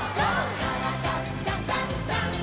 「からだダンダンダン」